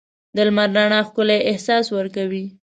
د لمر رڼا ښکلی احساس ورکوي.